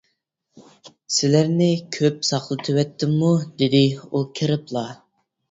-سىلەرنى كۆپ ساقلىتىۋەتتىممۇ؟ -دېدى ئۇ كىرىپلا.